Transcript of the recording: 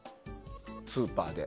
スーパーで。